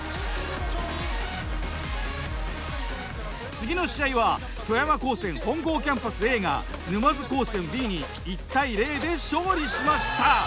次の試合は富山高専本郷キャンパスＡが沼津高専Ｂに１対０で勝利しました。